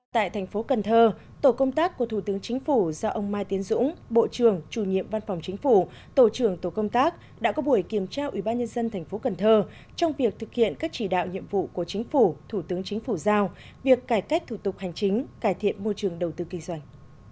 tại thành phố cần thơ tổ công tác của thủ tướng chính phủ do ông mai tiến dũng bộ trưởng chủ nhiệm văn phòng chính phủ tổ trưởng tổ công tác đã có buổi kiểm tra ubnd tp cần thơ trong việc thực hiện các chỉ đạo nhiệm vụ của chính phủ thủ tướng chính phủ giao việc cải cách thủ tục hành chính cải thiện môi trường đầu tư kinh doanh